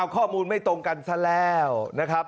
ข้อมูลไม่ตรงกันซะแล้วนะครับ